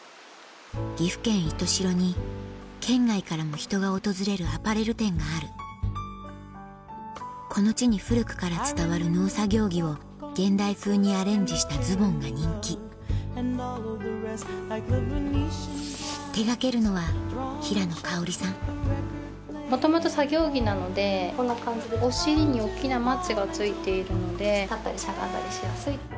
岐阜県石徹白に県外からも人が訪れるアパレル店があるこの地に古くから伝わる農作業着を現代風にアレンジしたズボンが人気手がけるのは元々作業着なのでこんな感じでお尻に大っきなマチが付いているので立ったりしゃがんだりしやすい。